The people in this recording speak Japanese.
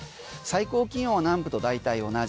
最高気温は南部と大体同じ